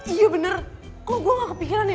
iya bener kok gue gak kepikiran ya